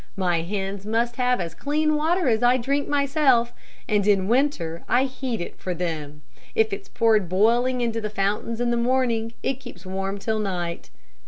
My hens must have as clean water as I drink myself, and in winter I heat it for them. If it's poured boiling into the fountains in the morning, it keeps warm till night.